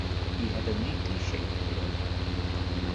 He had a neatly shaped beard.